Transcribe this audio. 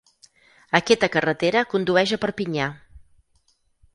Aquesta carretera condueix a Perpinyà.